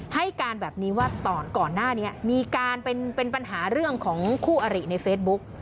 ให้การแบบนี้ว่าก่อนหน้านี้มีการเป็นปัญหาเรื่องของคู่อริในเฟซบุ๊ก